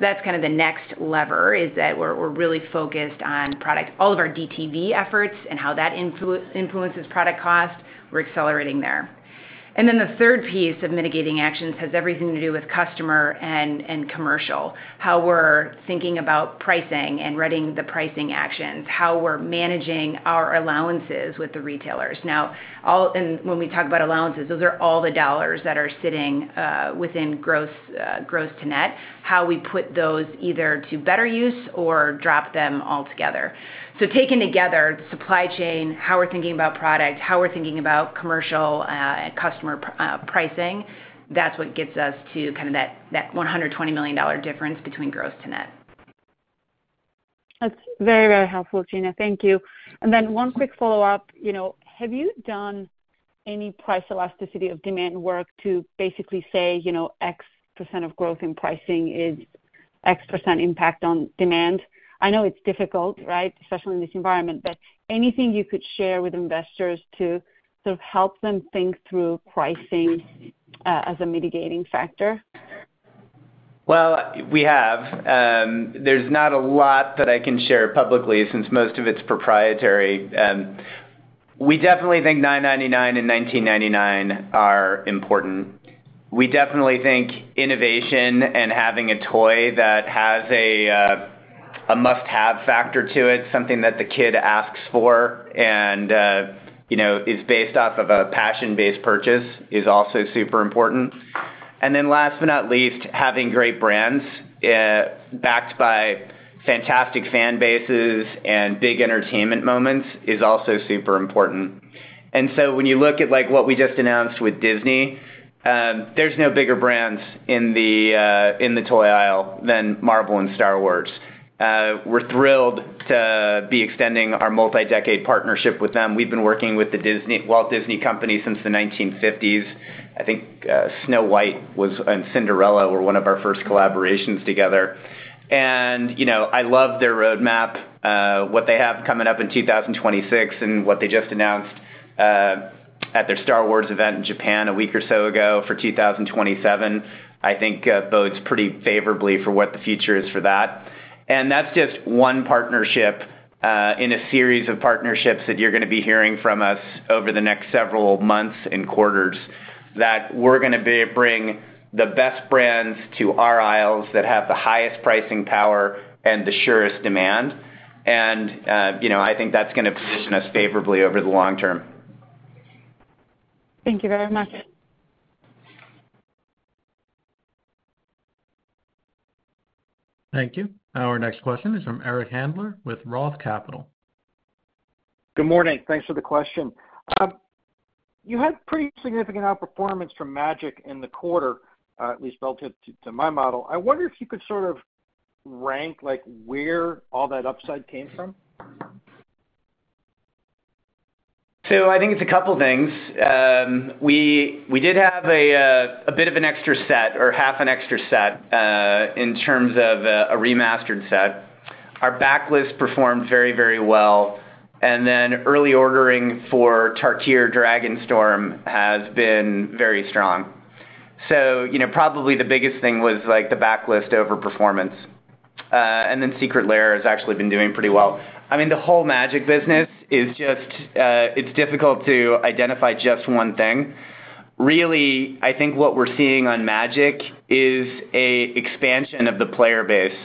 That's kind of the next lever is that we're really focused on product. All of our DTV efforts and how that influences product cost, we're accelerating there. The third piece of mitigating actions has everything to do with customer and commercial, how we're thinking about pricing and readying the pricing actions, how we're managing our allowances with the retailers. Now, when we talk about allowances, those are all the dollars that are sitting within gross to net, how we put those either to better use or drop them altogether. Taken together, the supply chain, how we're thinking about product, how we're thinking about commercial and customer pricing, that's what gets us to kind of that $120 million difference between gross to net. That's very, very helpful, Gina. Thank you. One quick follow-up. Have you done any price elasticity of demand work to basically say X% of growth in pricing is X% impact on demand? I know it's difficult, right, especially in this environment, but anything you could share with investors to sort of help them think through pricing as a mitigating factor? There is not a lot that I can share publicly since most of it is proprietary. We definitely think $9.99 and $19.99 are important. We definitely think innovation and having a toy that has a must-have factor to it, something that the kid asks for and is based off of a passion-based purchase is also super important. Last but not least, having great brands backed by fantastic fan bases and big entertainment moments is also super important. When you look at what we just announced with Disney, there are no bigger brands in the toy aisle than Marvel and Star Wars. We are thrilled to be extending our multi-decade partnership with them. We have been working with the Walt Disney Company since the 1950s. I think Snow White and Cinderella were one of our first collaborations together. I love their roadmap, what they have coming up in 2026 and what they just announced at their Star Wars event in Japan a week or so ago for 2027. I think bodes pretty favorably for what the future is for that. That is just one partnership in a series of partnerships that you're going to be hearing from us over the next several months and quarters that we're going to bring the best brands to our aisles that have the highest pricing power and the surest demand. I think that's going to position us favorably over the long term. Thank you very much. Thank you. Our next question is from Eric Handler with Roth Capital. Good morning. Thanks for the question. You had pretty significant outperformance from Magic in the quarter, at least relative to my model. I wonder if you could sort of rank where all that upside came from. I think it's a couple of things. We did have a bit of an extra set or half an extra set in terms of a remastered set. Our backlist performed very, very well. Then early ordering for Tarkir Dragonstorm has been very strong. Probably the biggest thing was the backlist overperformance. Secret Lair has actually been doing pretty well. I mean, the whole Magic business is just it's difficult to identify just one thing. Really, I think what we're seeing on Magic is an expansion of the player base.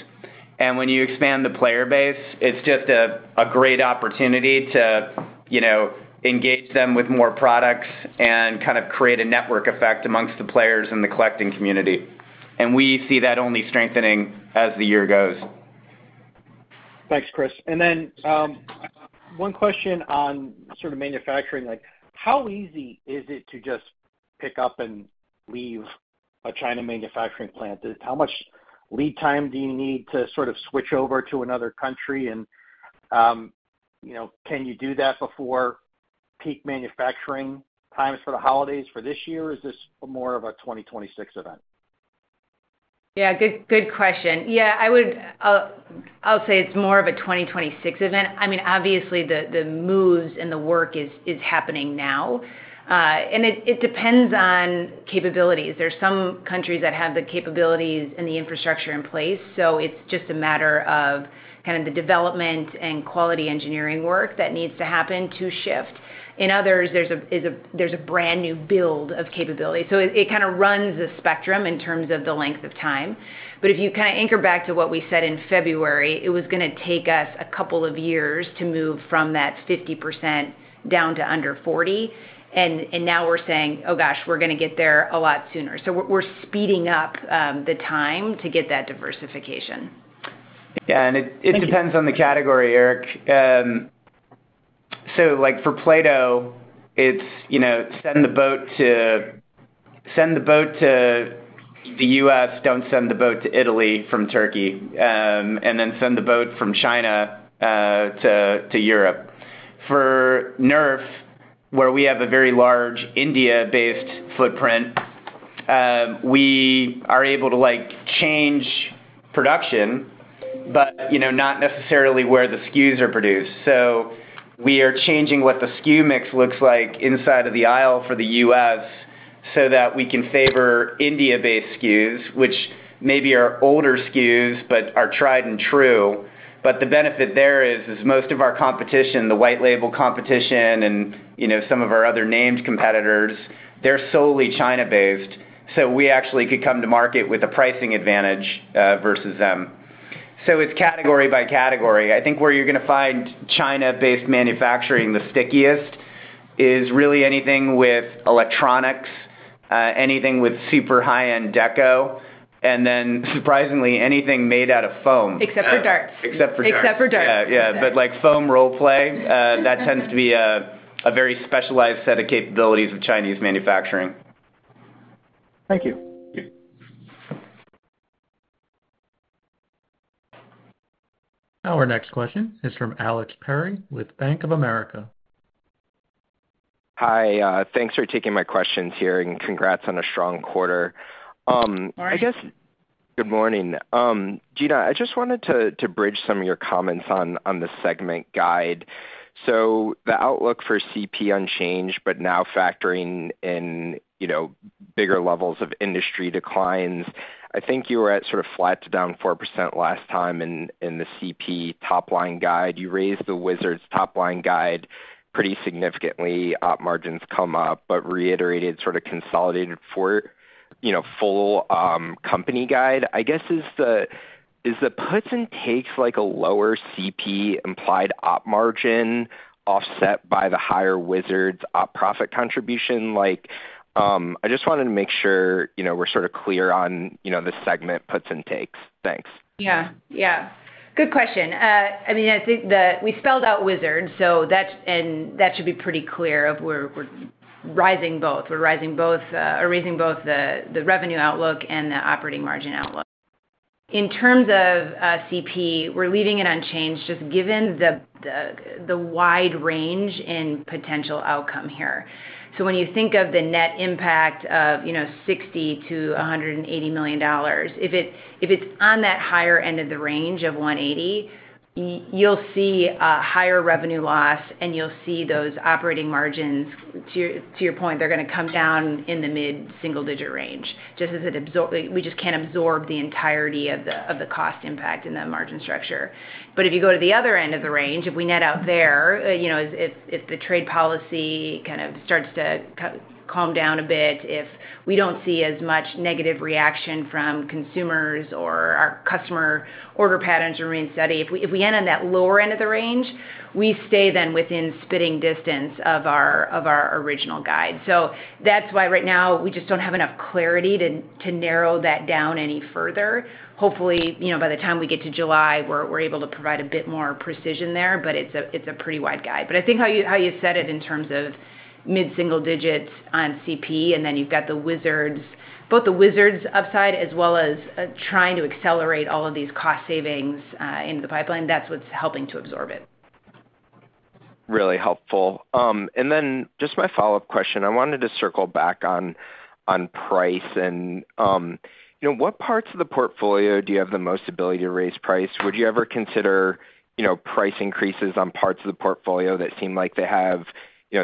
When you expand the player base, it's just a great opportunity to engage them with more products and kind of create a network effect amongst the players and the collecting community. We see that only strengthening as the year goes. Thanks, Chris. One question on sort of manufacturing. How easy is it to just pick up and leave a China manufacturing plant? How much lead time do you need to sort of switch over to another country? Can you do that before peak manufacturing times for the holidays for this year? Is this more of a 2026 event? Yeah. Good question. Yeah. I'll say it's more of a 2026 event. I mean, obviously, the moves and the work is happening now. It depends on capabilities. There are some countries that have the capabilities and the infrastructure in place. It's just a matter of kind of the development and quality engineering work that needs to happen to shift. In others, there's a brand new build of capability. It kind of runs the spectrum in terms of the length of time. If you kind of anchor back to what we said in February, it was going to take us a couple of years to move from that 50% down to under 40%. Now we're saying, "Oh gosh, we're going to get there a lot sooner." We're speeding up the time to get that diversification. Yeah. It depends on the category, Eric. For Play-Doh, it's send the boat to the U.S., don't send the boat to Italy from Turkey, and then send the boat from China to Europe. For Nerf, where we have a very large India-based footprint, we are able to change production, but not necessarily where the SKUs are produced. We are changing what the SKU mix looks like inside of the aisle for the U.S. so that we can favor India-based SKUs, which maybe are older SKUs but are tried and true. The benefit there is most of our competition, the white label competition and some of our other named competitors, they're solely China-based. We actually could come to market with a pricing advantage versus them. It is category by category. I think where you're going to find China-based manufacturing the stickiest is really anything with electronics, anything with super high-end deco, and then surprisingly, anything made out of foam. Except for darts. Except for darts. Yeah. Yeah. But foam role-play, that tends to be a very specialized set of capabilities of Chinese manufacturing. Thank you. Our next question is from Alexander Perry with Bank of America. Hi. Thanks for taking my questions here. Congrats on a strong quarter. I guess. Good morning. Gina, I just wanted to bridge some of your comments on the segment guide. The outlook for CP unchanged, but now factoring in bigger levels of industry declines. I think you were at sort of flat to down 4% last time in the CP top-line guide. You raised the Wizards top-line guide pretty significantly. Op margins come up, but reiterated sort of consolidated for full company guide. I guess is the puts and takes a lower CP implied op margin offset by the higher Wizards op profit contribution? I just wanted to make sure we're sort of clear on the segment puts and takes. Thanks. Yeah. Yeah. Good question. I mean, I think we spelled out Wizards, and that should be pretty clear of where we're rising both. We're raising both the revenue outlook and the operating margin outlook. In terms of CP, we're leaving it unchanged just given the wide range in potential outcome here. When you think of the net impact of $60 million-$180 million, if it's on that higher end of the range of $180 million, you'll see a higher revenue loss, and you'll see those operating margins, to your point, they're going to come down in the mid-single-digit range just as we just can't absorb the entirety of the cost impact in the margin structure. If you go to the other end of the range, if we net out there, if the trade policy kind of starts to calm down a bit, if we do not see as much negative reaction from consumers or our customer order patterns remain steady, if we end on that lower end of the range, we stay then within spitting distance of our original guide. That is why right now we just do not have enough clarity to narrow that down any further. Hopefully, by the time we get to July, we are able to provide a bit more precision there, but it is a pretty wide guide. I think how you set it in terms of mid-single digits on CP, and then you have both the Wizards upside as well as trying to accelerate all of these cost savings into the pipeline, that is what is helping to absorb it. Really helpful. Just my follow-up question. I wanted to circle back on price. What parts of the portfolio do you have the most ability to raise price? Would you ever consider price increases on parts of the portfolio that seem like they have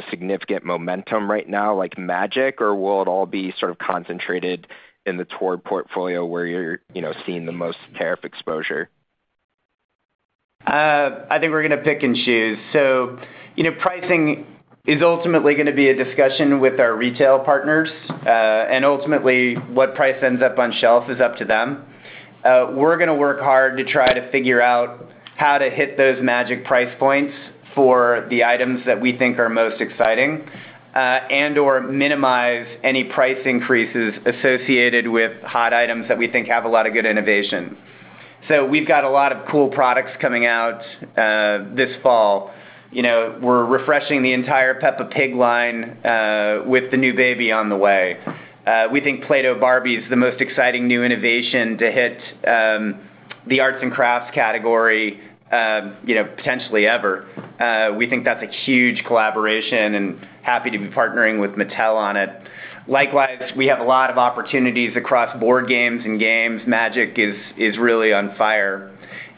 significant momentum right now, like Magic, or will it all be sort of concentrated in the TOR portfolio where you're seeing the most tariff exposure? I think we're going to pick and choose. Pricing is ultimately going to be a discussion with our retail partners. Ultimately, what price ends up on shelf is up to them. We're going to work hard to try to figure out how to hit those Magic price points for the items that we think are most exciting and/or minimize any price increases associated with hot items that we think have a lot of good innovation. We've got a lot of cool products coming out this fall. We're refreshing the entire Peppa Pig line with the new baby on the way. We think Play-Doh Barbie is the most exciting new innovation to hit the arts and crafts category potentially ever. We think that's a huge collaboration and happy to be partnering with Mattel on it. Likewise, we have a lot of opportunities across board games and games. Magic is really on fire.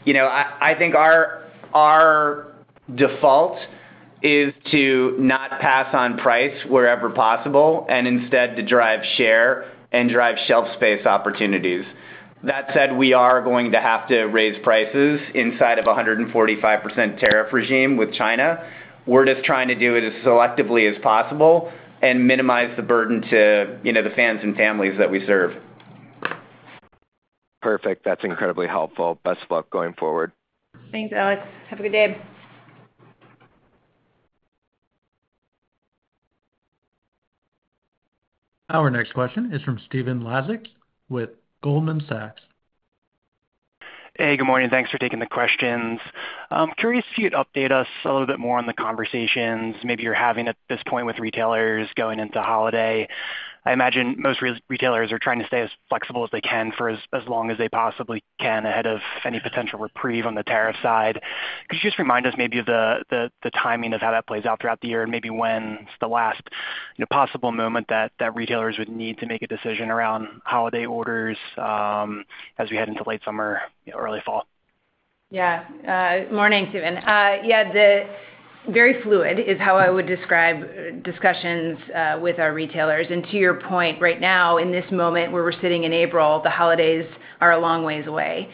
I think our default is to not pass on price wherever possible and instead to drive share and drive shelf space opportunities. That said, we are going to have to raise prices inside of a 145% tariff regime with China. We are just trying to do it as selectively as possible and minimize the burden to the fans and families that we serve. Perfect. That's incredibly helpful. Best of luck going forward. Thanks, Alex. Have a good day. Our next question is from Stephen Laszczyk with Goldman Sachs. Hey, good morning. Thanks for taking the questions. I'm curious if you'd update us a little bit more on the conversations maybe you're having at this point with retailers going into holiday. I imagine most retailers are trying to stay as flexible as they can for as long as they possibly can ahead of any potential reprieve on the tariff side. Could you just remind us maybe of the timing of how that plays out throughout the year and maybe when's the last possible moment that retailers would need to make a decision around holiday orders as we head into late summer, early fall? Yeah. Morning, Steven. Yeah. Very fluid is how I would describe discussions with our retailers. To your point, right now, in this moment where we're sitting in April, the holidays are a long ways away.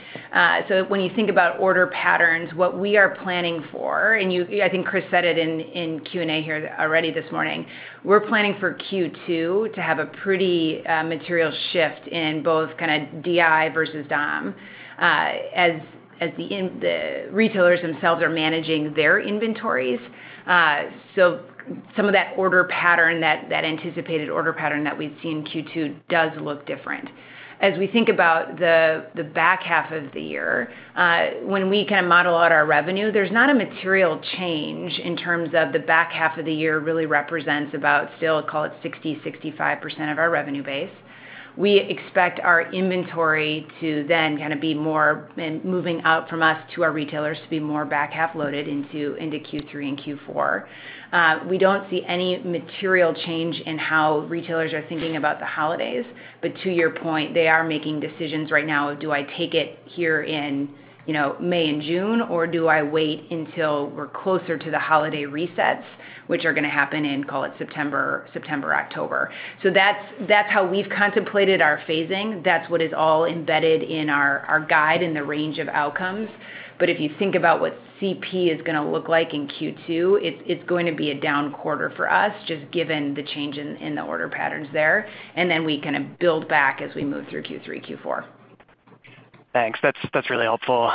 When you think about order patterns, what we are planning for, and I think Chris said it in Q&A here already this morning, we're planning for Q2 to have a pretty material shift in both kind of DI versus DOM as the retailers themselves are managing their inventories. Some of that order pattern, that anticipated order pattern that we've seen, Q2 does look different. As we think about the back half of the year, when we kind of model out our revenue, there's not a material change in terms of the back half of the year really represents about still, call it 60-65% of our revenue base. We expect our inventory to then kind of be more moving out from us to our retailers to be more back half loaded into Q3 and Q4. We do not see any material change in how retailers are thinking about the holidays. To your point, they are making decisions right now of, "Do I take it here in May and June, or do I wait until we are closer to the holiday resets, which are going to happen in, call it September, October." That is how we have contemplated our phasing. That is what is all embedded in our guide and the range of outcomes. If you think about what CP is going to look like in Q2, it is going to be a down quarter for us just given the change in the order patterns there. We kind of build back as we move through Q3, Q4. Thanks. That's really helpful.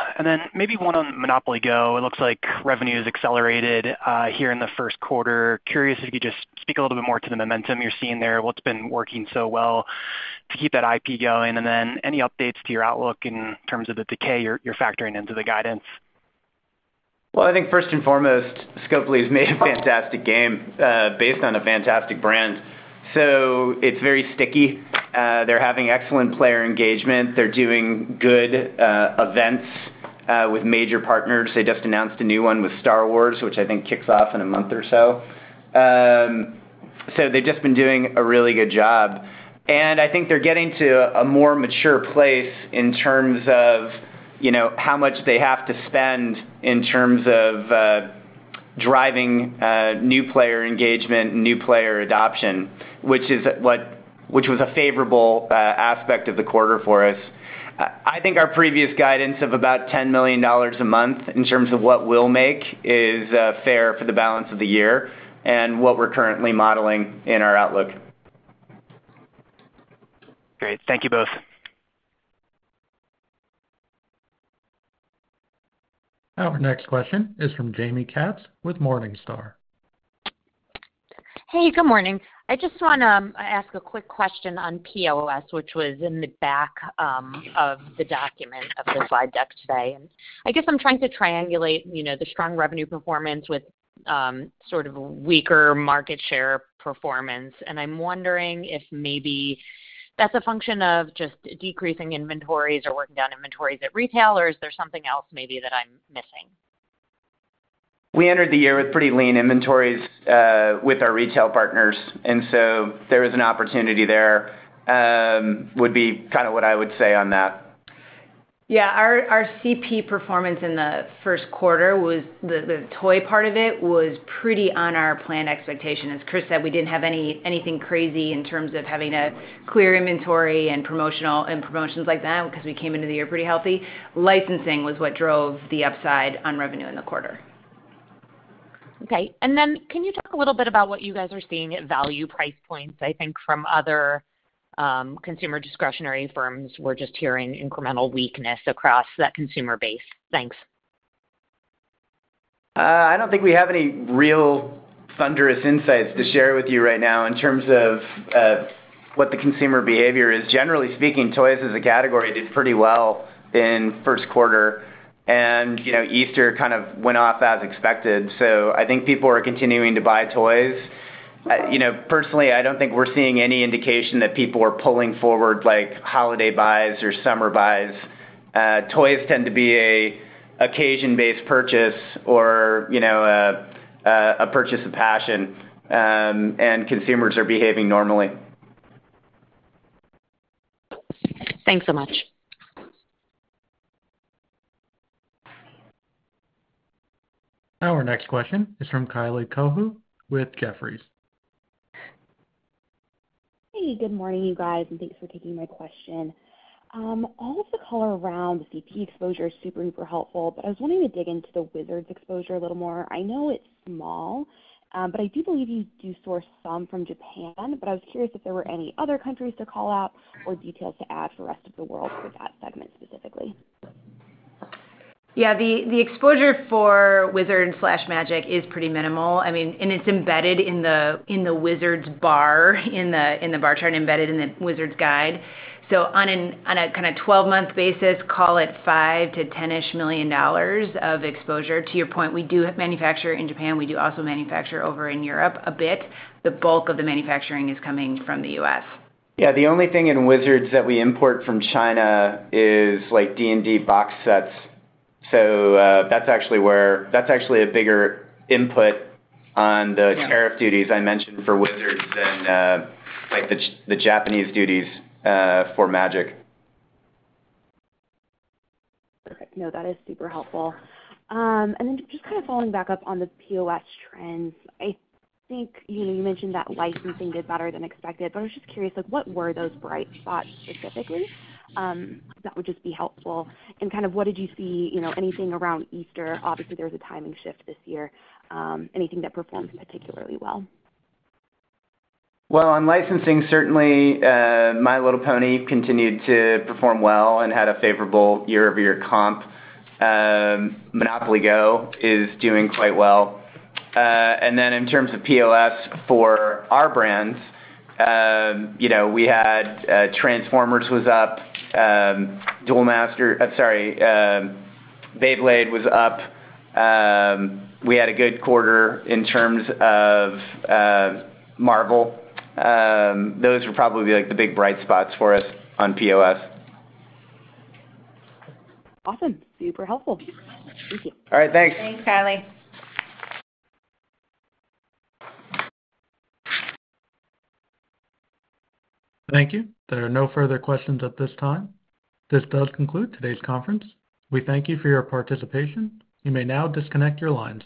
Maybe one on Monopoly Go. It looks like revenue has accelerated here in the first quarter. Curious if you could just speak a little bit more to the momentum you're seeing there, what's been working so well to keep that IP going, and then any updates to your outlook in terms of the decay you're factoring into the guidance. I think first and foremost, Scopely has made a fantastic game based on a fantastic brand. It is very sticky. They are having excellent player engagement. They are doing good events with major partners. They just announced a new one with Star Wars, which I think kicks off in a month or so. They have just been doing a really good job. I think they are getting to a more mature place in terms of how much they have to spend in terms of driving new player engagement and new player adoption, which was a favorable aspect of the quarter for us. I think our previous guidance of about $10 million a month in terms of what we will make is fair for the balance of the year and what we are currently modeling in our outlook. Great. Thank you both. Our next question is from Jaime Katz with Morningstar. Hey, good morning. I just want to ask a quick question on POS, which was in the back of the document of the slide deck today. I guess I'm trying to triangulate the strong revenue performance with sort of weaker market share performance. I'm wondering if maybe that's a function of just decreasing inventories or working down inventories at retail, or is there something else maybe that I'm missing? We entered the year with pretty lean inventories with our retail partners. There is an opportunity there, would be kind of what I would say on that. Yeah. Our CP performance in the first quarter, the toy part of it, was pretty on our planned expectation. As Chris said, we did not have anything crazy in terms of having a clear inventory and promotions like that because we came into the year pretty healthy. Licensing was what drove the upside on revenue in the quarter. Okay. Can you talk a little bit about what you guys are seeing at value price points? I think from other consumer discretionary firms, we're just hearing incremental weakness across that consumer base. Thanks. I do not think we have any real thunderous insights to share with you right now in terms of what the consumer behavior is. Generally speaking, toys as a category did pretty well in first quarter. Easter kind of went off as expected. I think people are continuing to buy toys. Personally, I do not think we are seeing any indication that people are pulling forward holiday buys or summer buys. Toys tend to be an occasion-based purchase or a purchase of passion, and consumers are behaving normally. Thanks so much. Our next question is from Kylie Cohu with Jefferies. Hey, good morning, you guys. Thanks for taking my question. All of the color around the CP exposure is super, super helpful, but I was wanting to dig into the Wizards exposure a little more. I know it's small, but I do believe you do source some from Japan. I was curious if there were any other countries to call out or details to add for the rest of the world for that segment specifically. Yeah. The exposure for Wizards/Magic is pretty minimal. I mean, and it's embedded in the Wizards bar, in the bar chart embedded in the Wizards guide. So on a kind of 12-month basis, call it $5-10 million of exposure. To your point, we do manufacture in Japan. We do also manufacture over in Europe a bit. The bulk of the manufacturing is coming from the U.S. Yeah. The only thing in Wizards that we import from China is Dungeons & Dragons box sets. So that's actually a bigger input on the tariff duties I mentioned for Wizards than the Japanese duties for Magic. Perfect. No, that is super helpful. Just kind of following back up on the POS trends, I think you mentioned that licensing did better than expected, but I was just curious, what were those bright spots specifically? That would just be helpful. Kind of what did you see? Anything around Easter? Obviously, there was a timing shift this year. Anything that performed particularly well? On licensing, certainly, My Little Pony continued to perform well and had a favorable year-over-year comp. Monopoly Go is doing quite well. In terms of POS for our brands, we had Transformers was up, Beyblade was up. We had a good quarter in terms of Marvel. Those would probably be the big bright spots for us on POS. Awesome. Super helpful. Thank you. All right. Thanks. Thanks, Kylie. Thank you. There are no further questions at this time. This does conclude today's conference. We thank you for your participation. You may now disconnect your lines.